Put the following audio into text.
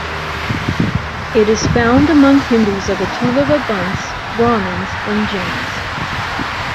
It is found among Hindus of the Tuluva Bunts, Brahmins and Jains.